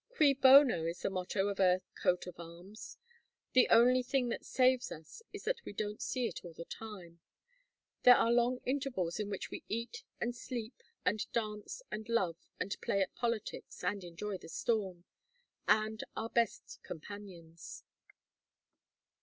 "Cui bono is the motto on Earth's coat of arms. The only thing that saves us is that we don't see it all the time. There are long intervals in which we eat and sleep and dance and love and play at politics and enjoy the storm and our best companions."